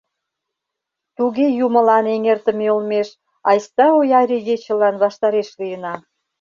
Туге юмылан эҥертыме олмеш айста ояр игечылан ваштареш лийына!